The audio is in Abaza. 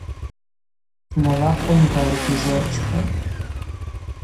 Дналахвын гарагьи йзырчпатӏ.